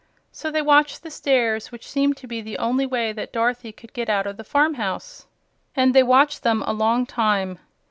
So they watched the stairs, which seemed to be the only way that Dorothy could get out of the farmhouse, and they watched them a long time.